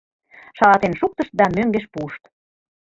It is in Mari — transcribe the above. Шалатен шуктышт да мӧҥгеш пуышт.